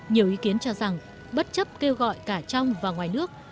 nhiều ý kiến cho rằng bất chấp kêu gọi cả trong và ngoài nước